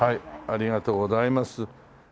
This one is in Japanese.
ありがとうございます。